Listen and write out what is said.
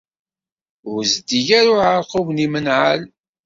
Ur zeddig ara uɛeṛqub n yimenɛal.